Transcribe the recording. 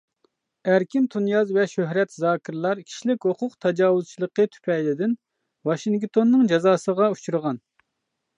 ئەركىن تۇنياز ۋە شۆھرەت زاكىرلار كىشىلىك ھوقۇق تاجاۋۇزچىلىقى تۈپەيلىدىن ۋاشىنگتوننىڭ جازاسىغا ئۇچرىغان.